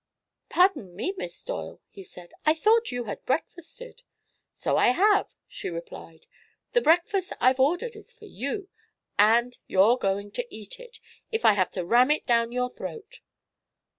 "Pardon me, Miss Doyle," he said; "I thought you had breakfasted." "So I have," she replied. "The breakfast I've ordered is for you, and you're going to eat it if I have to ram it down your throat."